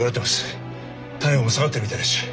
体温が下がってるみたいだし。